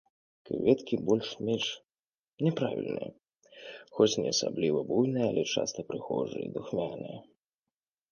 Кветкі больш-менш няправільныя, хоць не асабліва буйныя, але часта прыгожыя і духмяныя.